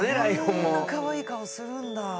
こんなかわいい顔するんだ。